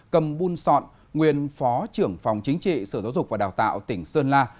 cầm bun sọn nguyên phó trưởng phòng chính trị sở giáo dục và đào tạo tỉnh sơn la